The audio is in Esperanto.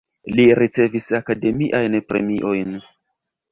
Li ricevis akademiajn premiojn.